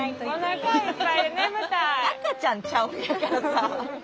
赤ちゃんちゃうんやからさ。